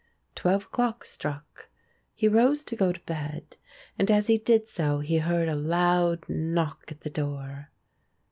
Twelve o'clock struck. He rose to go to bed, and as he did so he heard a loud knock at the door.